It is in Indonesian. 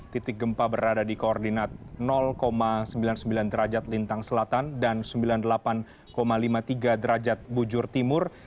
titik gempa berada di koordinat sembilan puluh sembilan derajat lintang selatan dan sembilan puluh delapan lima puluh tiga derajat bujur timur